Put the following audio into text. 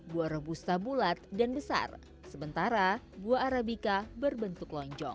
buah rebusta bulat dan besar sementara buah arabica berbentuk lonjong